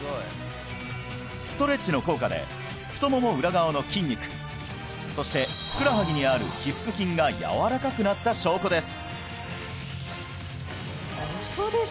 ストレッチの効果で太もも裏側の筋肉そしてふくらはぎにある腓腹筋が柔らかくなった証拠です